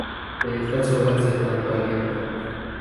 De estas obras de tanto aliento.